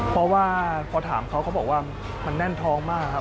เพราะว่าพอถามเขาเขาบอกว่ามันแน่นท้องมากครับ